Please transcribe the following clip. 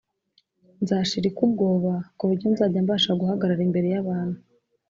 nzashirika ubwoba ku buryo nzajya mbasha guhagarara imbere y’abantu